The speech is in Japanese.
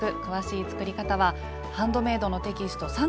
詳しい作り方は「ハンドメイド」のテキスト